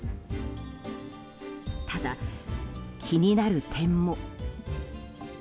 ただ、気になる点も。